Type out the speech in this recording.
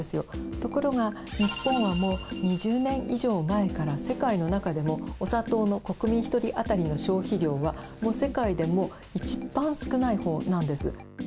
ところが日本はもう２０年以上前から世界の中でもお砂糖の国民一人あたりの消費量は世界でも一番少ない方なんです。